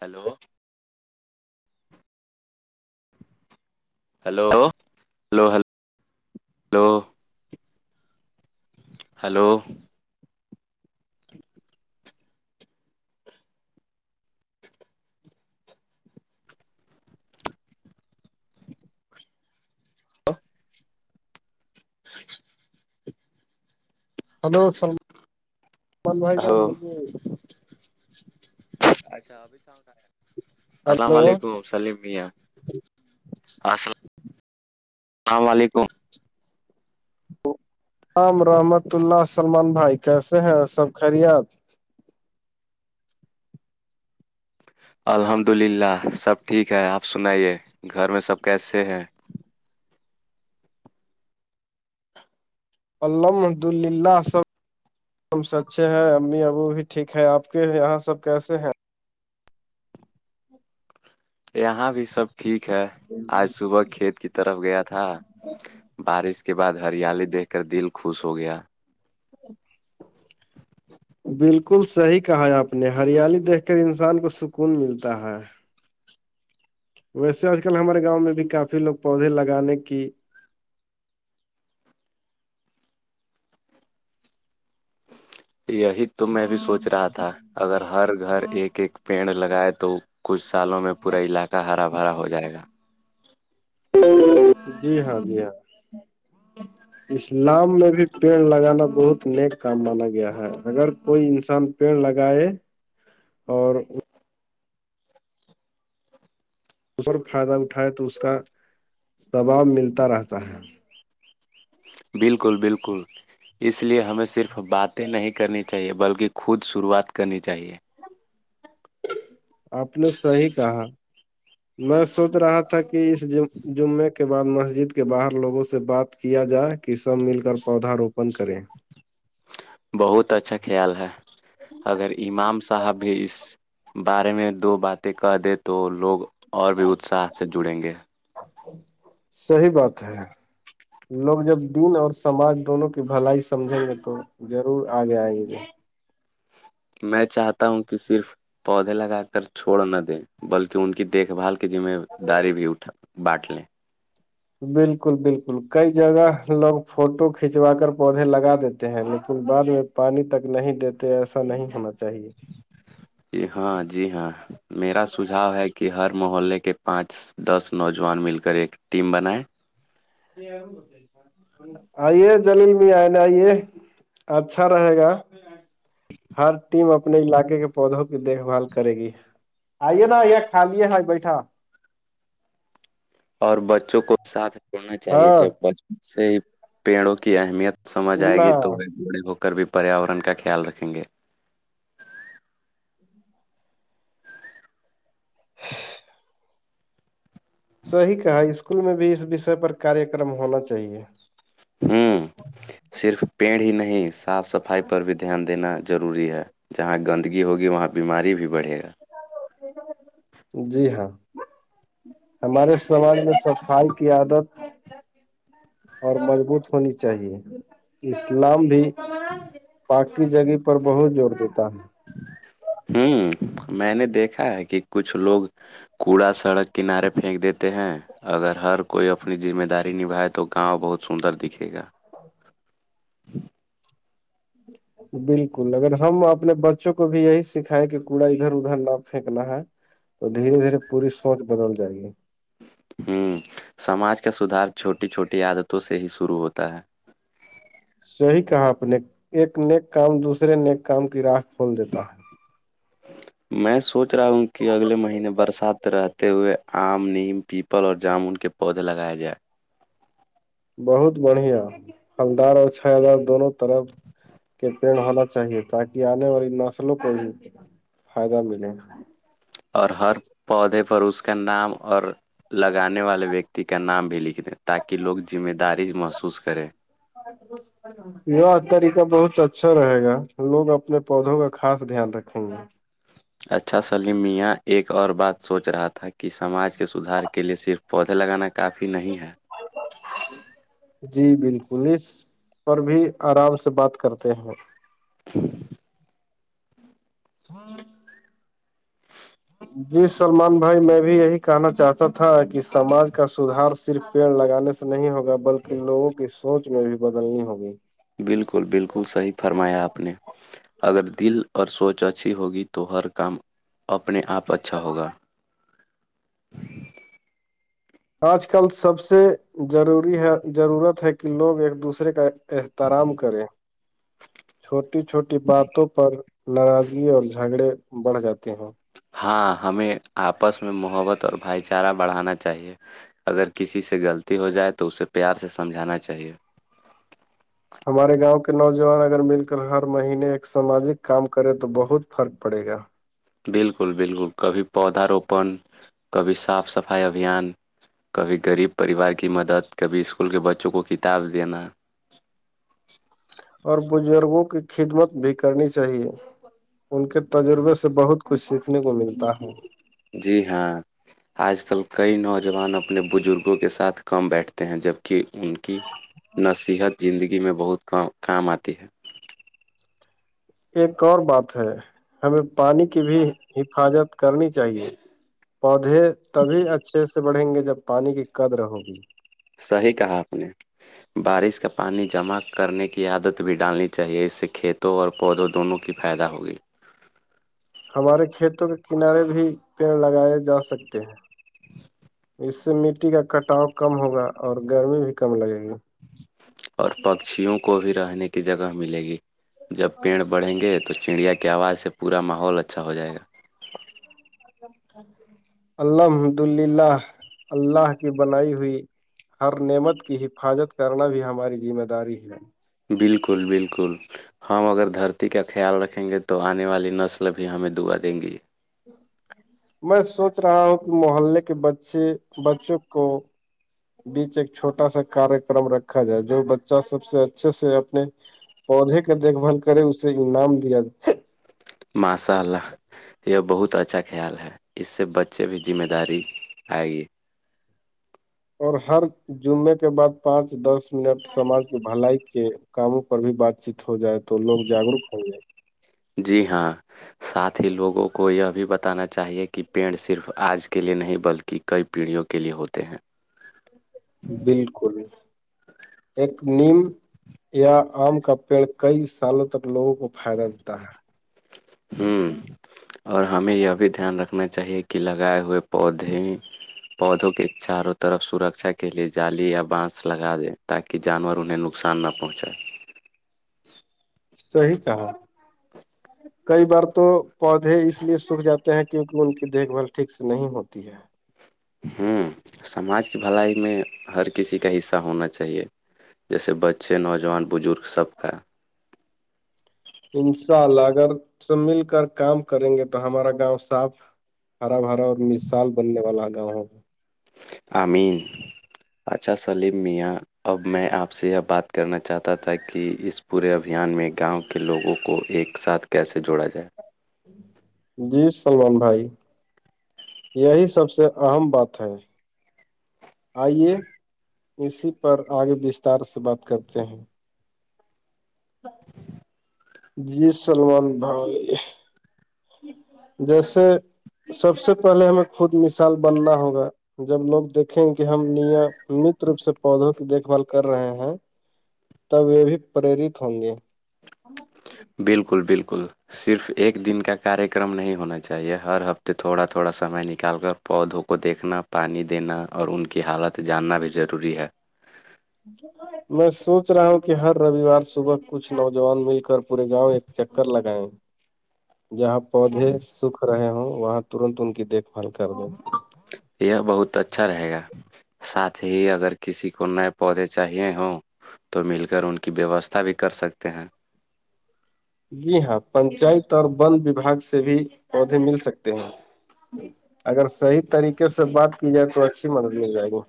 hello hello hello hello hello سلملمان سلمان بھائی hello جان اچھا ابھی السلام ہلو علیکم سلیم میاں السلام اللام علیکم عام رحمت اللہ سلمان بھائی کیسے ہیں سب خریت آپ الحمد للہ سب ٹھیک ہے آپ سنائیے گھر میں سب کیسے ہیں الحمد للہ سب ہم سب اچھے ہیں امی ابو بھی ٹھیک ہے آپ کے یہاں سب کیسے ہیں یہاں بھی سب ٹھیک ہے آج صبح کھیت کی طرف گیا تھا بارش اس کے بعد ہریالی دیکھ کر دل خوش ہو گیا ہاں بالکل صحیح کہا ہے آپ نے ہریالی دیکھ کر انسان کو سکون ملتا ہے ویسے آج کل ہمارے گاؤں میں بھی کافی لوگ پودے لگانے کی یہی تو میں بھی سوچ رہا تھا اگر ہر گھر ایک ایک پیڑ لگائے تو کچھ سالوں میں پورا علاقہ ہرا بھرا ہو جائے گا جی ہاں جی ہاں اسلام میں بھی پیڑ لگانا بہت نیک کام مانا گیا ہے اگر کوئی انسان پیڑ لگائے اور اسر فائدہ اٹھائے تو اس کا دباب ملتا رہتا ہے بالکل بالکل اس لیے ہمیں صرف باتیں نہیں کرنی چاہیے بلکہ خود شروعات کرنی چاہیے ہ آپ نے صحی کہا میں سوچ رہا تھا کہ کہ اس جمے کے بعد مسجد کے باہر لوگوں سے بات کیا جائے کہ سب مل کر پودا روپن کریں بہت اچھا خیال ہے اگر امام صاحب بھی اس بارے میں دو باتیں کہہ دے تو لوگ اور بھی اتساہ سے جڑیں گے صحی بات ہے لوگ جب دن اور سماج دونوں کی بھلائی سمجھیں گے تو ضرور آ گے آئیے گے میں چاہتا ہوں کہ صرف پودے لگا کر چھوڑ نہ دیں بلکہ ان کی دیکھ بھال میں دار بھی اٹھا بانٹ لیں بالکل بالکل کئی جگہ لوگ فوٹو کھنچوا کر پودے لگا دیتے ہیں لیکن بعد میں پانی تک نہیں دیتے ایسا نہیں ہونا چاہیے جی ہاں جی ہاں میرا سجاؤ ہے کہ ہر محلے کے پانچ دس نوجوان مل کر ایک ٹیم بنائے آ بتا آئیے جلیل میں آئےنے آئیے اچھا رہے گا ہر ٹیم اپنے علاقے کے پودوں کی دیکھ بھال کرے گی آئیے نا خالی ہے بیٹھا اور بچوں کو ساتھ جوڑنا چاہیے ہاں جب بچپوں سے ہی پیڑوں کی اہمیت سمجھ آئے نہ گی تو وہ گھوڑے ہو کر بھی پریاورن کا خیال رکھیں گے اچ صح کہا اسکول میں بھی اس وشے پر کاریہ کررم ہونا چاہیے ہوں صرف پیڑ ہی نہیں صاف صفائی پر بھی دھیان دینا ضروری ہے جہاں گندگی ہوگی وہاں بیماری بھی بڑھے گا جی ہاں ہمارے سماج میں صفائی کی عادت اور مضبوط ہونی چاہیے اسلام بھی پاک کی جگہ پر بہت زور دیتا ہے ہوں میں نے دیکھا ہے کہ کچھ لوگ کوڑا سڑک کنارے پھینک دیتے ہیں اگر ہر کوئی اپنی ذمہ داری نبھائے تو گاؤں بہت سندر دکھے گا جی بالکل اگر ہم اپنے بچوں کو بھی یہی سکھائے کہ کوڑا ادھر ادھر نہ پھینکنا ہے تو دھیرے دھیرے پوری سوچ بدل جائے گی ہوں سماج کا سدھار چھوٹی چھوٹی عادتوں سے ہی شروع ہوتا ہے صیح کہا اپ نے ایک نیک کام دوسرے نیک کام کی راہ کھول دیتا ہے [unintelligible] میں سوچ رہا ہوں کہ اگلے مہینے برسات رہتے ہوئے آم نیم پیپل اور جامن کے پودے لگایا جائے بہت بڑھیا ہلدار اور چھیا ہزار دونوں طرف کے پڑ ہونا چاہیے تاکہ آنے والی نسلوں کو بھی فائدہ ملے اور ہر پودے پر اس کا نام اور لگانے والے ویکتی کا نام بھی لکھ دیں تاکہ لوگ ذمہ داری محسوس کرے ب یہ طریقہ بہت اچھا رہے گا لوگ اپنے پودوں کا خاص دھیان رکھیں گے اچھا سلیم میاں ایک اور بات سوچ رہا تھا کہ سماج کے سدھار کے لیے صرف پودے لگانا کافی نہیں ہے جی جی بالکل اس پر بھی آرام سے بات کرتے ہیں ہاں ہاں جی سلمان بھائی میں بھی یہی کہنا چاہتا تھا کہ سماج کا سدار صرف پیڑ لگانے سے نہیں ہوگا بلکہ لوگوں کی سوچ میں بھی بدلنی ہوگی بالکل بالکل صحیح فرمایا آپ نے اگر دل اور سوچ اچھی ہوگی تو ہر کام اپنے آپ اچھا ہوگا آج کل سب سے ضروری ہے ضرورت ہے کہ لوگ ایک دوسرے کا احترام کریں [unintelligible] چھوٹی چھوٹی باتوں پر ناراضگی اور جھگڑے بڑھ جاتے ہیں ہاں ہمیں آپس میں محبت اور بھائی چارہ بڑھانا چاہیے اگر کسی سے غلطی ہو جائے تو اسے پیار سے سمجھانا چاہیے ہمارے گاؤں کے نوجوان اگر مل کر ہر مہینے ایک ساماجک کام کرے تو بہت فرق پڑے گا بالکل بالکل کبھی پودااروپن کبھی صاف صفائی ابھیان کبھی غریب پریوار کی مدد کبھی اسکول کے بچوں کو کتاب دینا اور بزرگوں کی خدمت بھی کرنی چاہیے ان کے تجربے سے بہت کچھ سیکھنے کو ملتا ہے جی ہاں آج کل کئی نوجوان اپنے بزرگوں کے ساتھ کام بیٹھتے ہیں جبکہ ان کی نصیحت زندگی میں بہت کام آتی ہے ایک اور بات ہے ہمیں پانی کی بھی حفاظت کرنی چاہیے پودے تبھی اچھے سے بڑھیں گے جب پانی کی قدر ہوگی صحیح کہا آپ نے بارش کا پانی جمع کرنے کی عادت بھی ڈالنی چاہیے اس سے کھیتوں اور پودوں دونوں کی فائدہ ہوگی ہمارے کھیتوں کے کنارے بھی پیڑ لگائے جا سکتے ہیں اس سے مٹی کا کٹاؤ کم ہوگا اور گرمی بھی کم لگے گی اور پکشیوں کو بھی رہنے کی جگہ ملے گی جب پیڑ بڑھیں گے تو چڑیا کے ک آواز سے پورا ماحول اچھا ہو جائے گا الحمدلہ اللہ کی بنائی ہوئی ہر نعمت کی حفاظت کرنا بھی ہماری ذمہ داری ہے بالکل بالکل ہم اگر دھرتی کا خیال رکھیں گے تو آنے والی نسل بھی ہمیں دعا دیں گی میں سوچ رہا ہوں کہ محللے کے بچے بچوں کو بیچ ایک چھوٹا سا کار کررم رکھا جائے جو بچہ سب سے اچھے سے اپنے پودے کا دھ بھال کرے اسے انعام دیا مسالہ یہ بہت اچھا خیال ہے اس سے بچے بھی ذمہ داری آئے گی اور ہر جمے کے بعد پانچ دس منٹ سماج کی بھلائی کے کاموں پر بھی بات چیت ہو جائے تو لوگ جاگروک ہوں گے جی ہاں ساتھ ہی لوگوں کو یہ بھی بتانا چاہیے کہ پینڑ صرف آج کے لیے نہیں بلکہ کئی پیڑھیوں کے لیے ہوتے ہیں بالکل ایک نیم یا آم کا پیڑ کئی سالوں تک لوگوں کو فائدہ دیتا ہے ہوں ہاں اور ہمیں یہ بھی دھیان رکھنا چاہیے کہ لگائے ہوئے پودے پودوں کے چاروں طرف سرکشا کے لیے جالی یا بانس لگا دیں تاکہ کہ جانور انہیں نقصان نہ پہنچائے صی کہا کئی بار تو پودے اس لیے سوکھ جاتے ہیں کیونکہ ان کی دیکھ بھال ٹھیک سے نہیں ہوتی ہے ہوں سماج کی بھلائی میں ہر کسی کا حصہ ہونا چاہیے جیسے بچے نوجوان بزرگ سب کا انشاء اللہ اگر س مل کر کام کریں گے تو ہمارا گاؤں صاف ہرا بھرا اور مثال بننے والا ہے گاؤںوں امین پاچا سلیم میاں اب میں آپ سے یہ بات کرنا چاہتا تھا کہ اس پورے ابھیان میں گاؤں کے لوگوں کو ایک ساتھ کیسے جوڑا جائے جی سلمان بھائی یہی سب سے اہم بات ہے آئیے اسی پر آگے بستار سے بات کرتے ہیں [unintelligible] جی سلمان بھائیے جیسے سب سے پہلے ہمیں خود مثال بننا ہوگا جب لوگ دیکھیں کہ ہم نیا نت روپ سے پودوں کی دیکھ بھال کر رہے ہیں تب یہ بھی پریرت ہوں گے بالکل بالکل صرف ایک دن کا کاریہ کررم نہیں ہونا چاہیے ہر ہفتے تھوڑا تھوڑا سمے نکال کر پودوں کو دیکھنا پانی دینا اور ان کی حالت جاننا بھی ضروری ہے [unintelligible] میں سوچ رہا ہوں کہ ہر رووار صبح کچھ نوجوان مل کر پورے گاؤں ایک چکر لگائے جہاں پودے سکھ رہے ہوں وہاں ترنت ان کی دیکھ بھال کر ل یہ بہت اچھا رہے گا ساتھ ہی اگر کسی کو نئے پودے چاہیے ہوں تو مل کر ان کی ویوستھا بھی کر سکتے ہیں جی ہاں پنچایت اور ون وباگ سے بھی پودے مل سکتے ہیں اگر صحیح طریقے سے بات کی جائے تو اچھی مدد ہو جائے گی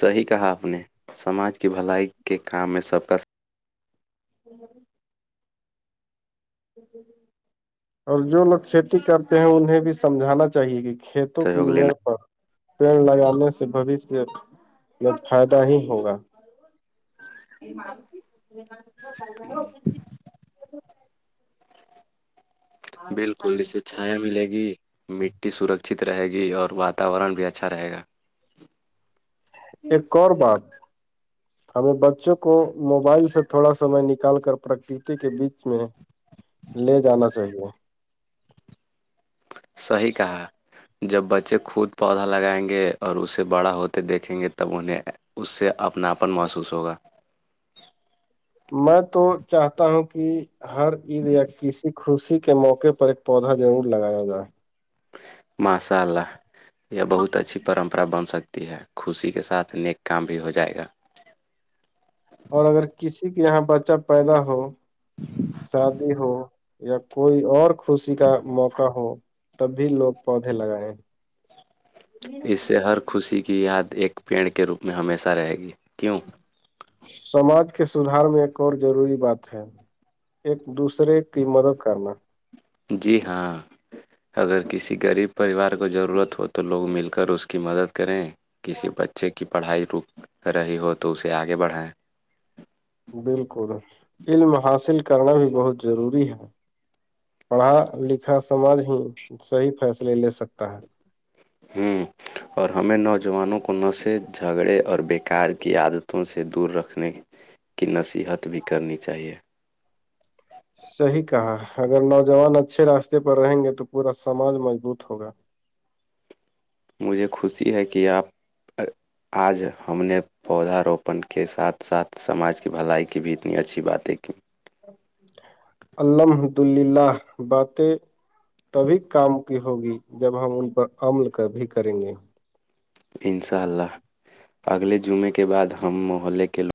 صحی کہا آپ نے سماج کی بھلائی کے کام میں سب کا س [unintelligible] اور جو لوگ کھیتی کرتے ہیں انہیں بھی سمجھانا چاہیے گ کھیتوں کی سہیوگ میڑ لینا پر پیڑ لگانے سے بوشیہ میں فائدہ ہی ہوگا [unintelligible] بالکل اسے چھایا ملے گی مٹی سرکچھت رہے گی اور واتاورن بھی اچھا رہے گا ایک اور بات ہمیں بچوں کو موبائل سے تھوڑا سمے نکال کر پرکرتی کے بیچ میں لے جانا چاہیے صی کہا جب بچے خود پودا لگائیں گے اور اسے بڑا ہوتے دیکھیں گے تب انہیں اس سے اپناپن محسوس ہوگا میں تو چاہتا ہوں کہ ہر عید یا کسی خوشی کے موقع پر ایک پودا ضرور لگایا جائے ماسال ال یہ بہت اچھی پرمپرا بن سکتی ہے خوشی کے ساتھ نیک کام بھی ہو جائے گا اور اگر کسی کے یہاں بچہ پیدا ہو شادی ہو یا کوئی اور خوشی کا موقع ہو تب بھی لوگ پودے لگائے ہیں اس سے ہر خوشی کی یاد ایک پیڑ کے روپ میں ہمیشہ رہے گی کیوں سماج کے سدھار میں ایک اور ضروری بات ہے ایک دوسرے کی مدد کرنا جی ہاں اگر کسی غریب پریوار کو ضرورت ہو تو لوگ مل کر اس کی مدد کریں کسی بچے کی پڑھائی رک رہی ہو تو اسے آگے بڑھائیں بالکل علم حاصل کرنا بھی بہت ضروری ہے پڑھا لکھا سماج ہی صحیح فیصلے لے سکتا ہے ہوں اور ہمیں نوجوانوں کو نشے جھگڑے اور بیکار کی عادتوں سے دور رکھنے کی نصیحت بھی کرنی چاہیے صحیح کہا اگر نوجوان اچھے راستے پر رہیں گے تو پورا سماج مضبوط ہوگا مجھے خوشی ہے کہ آپ آج ہم نے پودا روپن کے ساتھ ساتھ سماج کی بھلائی کی بھی اتنی اچھی باتیں کہ الحمد للہ باتیں تبھی کام کی ہوگی جب ہم ان پر عمل بھی کریں گے انشاء اللہ اگلے جمعے کے بعد ہم محلے کے لوگ